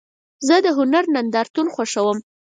زه د هنر نندارتون خوښوم.